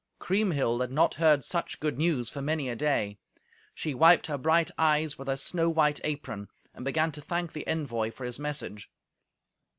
Kriemhild had not heard such good news for many a day. She wiped her bright eyes with her snow white apron, and began to thank the envoy for his message.